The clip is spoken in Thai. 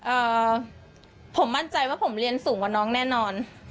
เอ่อผมมั่นใจว่าผมเรียนสูงกว่าน้องแน่นอน